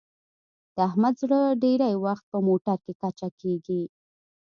د احمد زړه ډېری وخت په موټرکې کچه کېږي.